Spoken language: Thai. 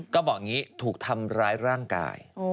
ก็บอกอย่างนี้ถูกทำร้ายร่างกาย